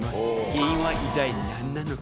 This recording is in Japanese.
原因は一体何なのか？